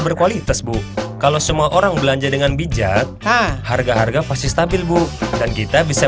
berkualitas bu kalau semua orang belanja dengan bijak harga harga pasti stabil bu dan kita bisa